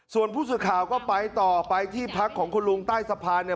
ส่วนผู้สื่อข่าวก็ไปต่อไปที่พักของคุณลุงใต้สะพานเนี่ย